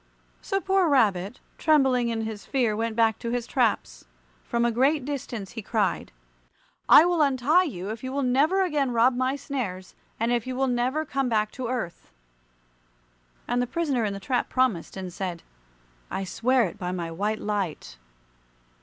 So poor Rabbit, trembling in his fear, went back to his traps. From a great distance he cried, "I will untie you if you will never again rob my snares, and if you will never come back to earth." And the prisoner in the trap promised, and said, "I swear it by my white light."